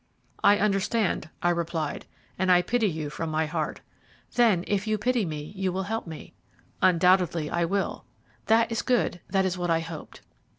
"I understand," I replied, "and I pity you from my heart." "Then, if you pity, you will help me." "Undoubtedly I will." "That is good; that is what I hoped."